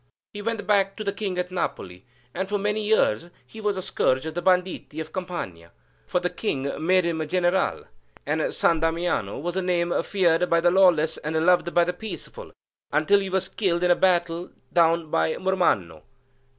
He went back to the king at Napoli, and for many years he was the scourge of the banditti of Campania; for the King made him a general, and San Damiano was a name feared by the lawless and loved by the peaceful, until he was killed in a battle down by Mormanno.